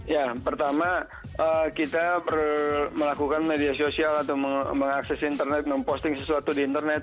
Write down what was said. ya pertama kita melakukan media sosial atau mengakses internet memposting sesuatu di internet